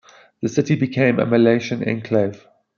The city became a Malaitan enclave.